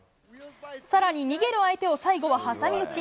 さらに逃げる相手を最後は挟み撃ち。